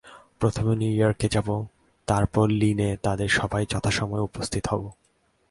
প্রথমে নিউ ইয়র্কে যাব, তারপর লীনে তাদের সভায় যথাসময়ে উপস্থিত হব।